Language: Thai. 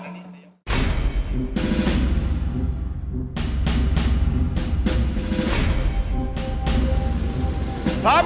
นายกครับ